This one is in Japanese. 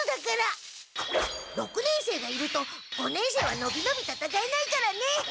六年生がいると五年生はのびのびたたかえないからね。